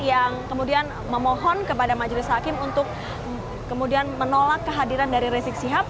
yang kemudian memohon kepada majelis hakim untuk kemudian menolak kehadiran dari rizik sihab